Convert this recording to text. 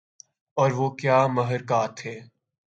اور وہ کیا محرکات تھے